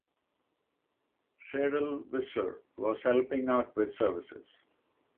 Sarel Visser was helping out with services.